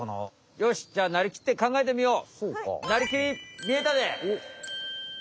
よしじゃあなりきってかんがえてみよう！